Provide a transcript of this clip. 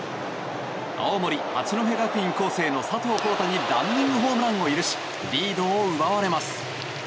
青森八戸学院光星の佐藤航太にランニングホームランを許しリードを奪われます。